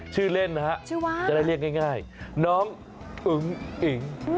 ชื่อเล่นนะฮะชื่อว่าจะได้เรียกง่ายน้องอึ๋งอิ๋ง